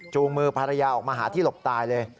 มือภรรยาออกมาหาที่หลบตายเลย